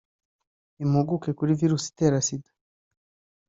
Impuguke kuri virusi itera Sida